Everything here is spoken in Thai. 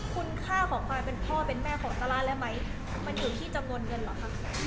คุณค่าของความเป็นพ่อเป็นแม่ของซาร่าและไหมมันอยู่ที่จำนวนเงินเหรอคะ